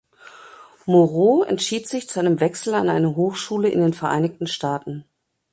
Moreaux entschied sich zu einem Wechsel an eine Hochschule in den Vereinigten Staaten.